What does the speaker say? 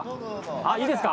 あっいいですか？